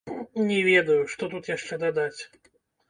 Не ведаю, што тут яшчэ дадаць!